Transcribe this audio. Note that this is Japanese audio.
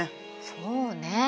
そうね。